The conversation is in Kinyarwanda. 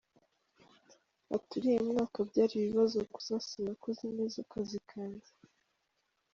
Ati “Uriya mwaka byari ibibazo gusa, sinakoze neza akazi kanjye.